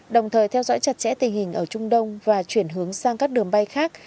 đồng thời theo dõi chặt chẽ tình hình ở trung đông và chuyển hướng sang các đường bay khác